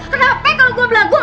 kenapa kalo gue belagu